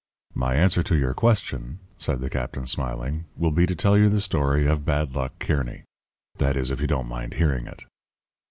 "My answer to your question," said the captain, smiling, "will be to tell you the story of Bad Luck Kearny. That is, if you don't mind hearing it."